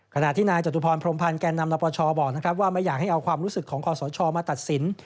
ขณะที่นายจตุพรพรมพันธ์แก่นำนปชบอกนะครับว่าไม่อยากให้เอาความรู้สึกของคอสชมาตัดสิน